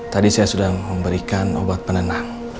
tadi saya sudah memberikan obat penenang